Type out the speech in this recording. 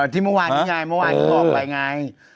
ที่เมื่อวานมันออกลายไง